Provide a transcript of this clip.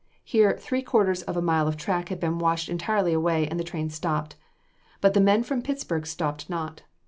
Here three quarters of a mile of track had been washed entirely away, and the train stopped. But the men from Pittsburg stopped not.